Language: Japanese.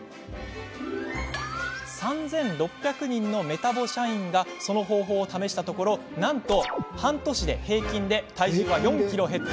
３６００人のメタボ社員がその方法を試したところなんと半年で平均で体重は４ｋｇ減少。